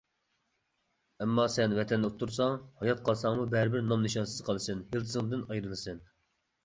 ئەمما سەن ۋەتەننى ئۇتتۇرساڭ، ھايات قالساڭمۇ بەرىبىر نام-نىشانسىز قالىسەن، يىلتىزىڭدىن ئايرىلىسەن.